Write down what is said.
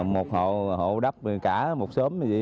một hộ đắp cả một xóm như vậy